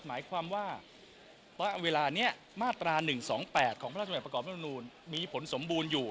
หมายความว่าเวลานี้มาตรา๑๒๘ของพระราชบัติประกอบรัฐมนูลมีผลสมบูรณ์อยู่